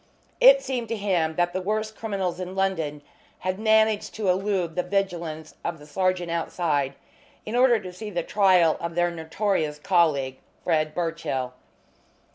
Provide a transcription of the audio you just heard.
It seemed to him that the worst criminals in London had managed to elude the vigilance of the sergeant outside in order to see the trial of their notorious colleague, Fred Birchill.